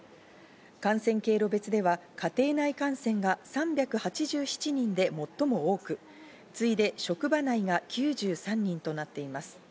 感染経路別では家庭内感染が３８７人で最も多く、次いで職場内が９３人となっています。